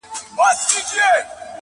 دلته ما په خپلو سترګو دي لیدلي ,